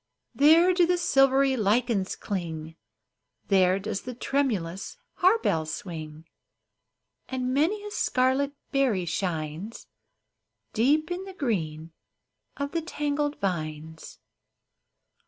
There do the silvery lichens cling, There does the tremulous harebell swing ; And many a scarlet berry shines Deep in the green of the tangled vines.